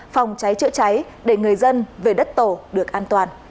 phòng cháy chữa cháy để người dân về đất tổ được an toàn